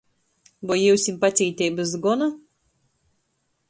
Voi jiusim pacīteibys gona?